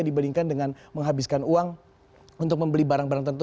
dibandingkan dengan menghabiskan uang untuk membeli barang barang tentu